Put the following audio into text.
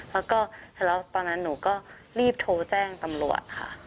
แล้วก็แล้วตอนนั้นหนูก็รีบโทรแจ้งตำรวจค่ะ